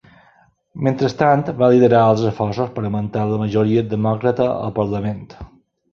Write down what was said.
Mentrestant, va liderar els esforços per augmentar la majoria demòcrata al parlament.